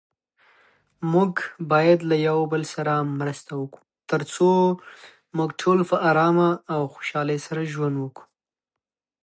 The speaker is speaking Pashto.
د خطاطۍ هنر د تورو او کلیمو په واسطه روح ته ارامي ورکوي.